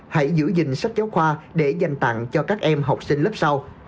hãy giữ gìn sách giáo khoa để dành tặng cho các em học sinh lớp sau